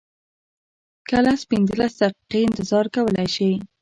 که لس پنځلس دقیقې انتظار کولی شې.